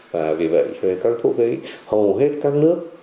vì vậy cho nên các thuốc ấy hầu hết các nước